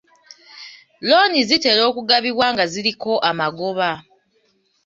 Looni zitera okugabibwa nga ziriko amagoba.